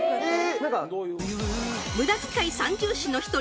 無駄遣い三銃士の１人